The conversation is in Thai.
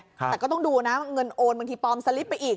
แต่ก็ต้องดูนะเงินโอนบางทีปลอมสลิปไปอีก